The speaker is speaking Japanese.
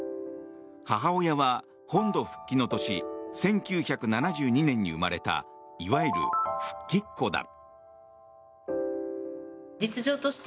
母親は本土復帰の年１９７２年に生まれたいわゆる復帰っ子だ。